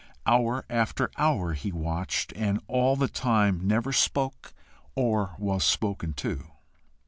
Hour after hour he watched, and all the time never spoke or was spoken to.